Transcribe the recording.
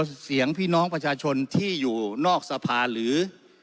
เสียงพี่น้องประชาชนที่อยู่นอกสภาหรือ